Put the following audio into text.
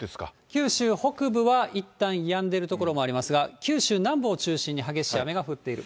九州北部はいったんやんでる所もありますが、九州南部を中心に激しい雨が降っている。